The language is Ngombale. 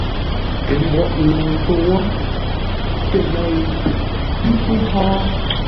Tə mboʼ ŋuu pə̂ wó tə́ lə̂ʉ? Ńté hó?